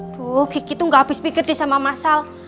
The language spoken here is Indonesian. aduh gigi tuh gak habis pikir deh sama mas al